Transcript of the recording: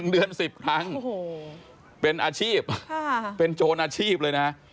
๑เดือน๑๐ครั้งเป็นอาชีพเป็นโจรอาชีพเลยนะ